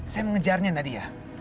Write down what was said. saya mengejarnya nadia